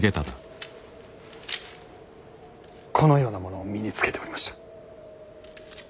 このようなものを身につけておりました。